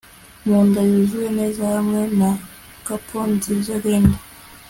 Mu nda yuzuye neza hamwe na capon nziza lind